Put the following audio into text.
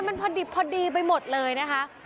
มันพอดีไปหมดเลยนะคะ